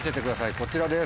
こちらです。